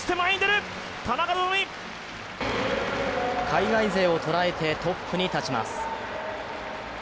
海外勢を捉えてトップに立ちます。